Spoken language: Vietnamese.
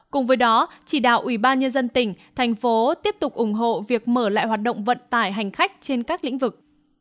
cùng với đó chỉ đạo ủy ban nhân dân tỉnh thành phố tiếp tục ủng hộ việc mở lại hoạt động vận tải hành khách trên các lĩnh vực